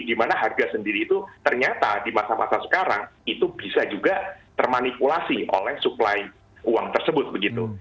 dimana harga sendiri itu ternyata di masa masa sekarang itu bisa juga termanipulasi oleh suplai uang tersebut begitu